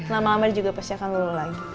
lama lama dia juga pasti akan lulu lagi